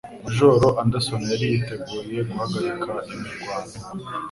Majoro Anderson yari yiteguye guhagarika imirwano